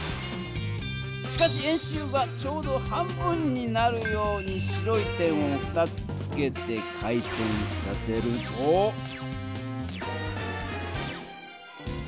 しかし円周はちょうど半分になるように白い点を２つつけて回転させると。